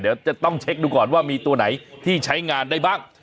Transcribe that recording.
เดี๋ยวจะต้องเช็คดูก่อนว่ามีตัวไหนที่ใช้งานได้บ้าง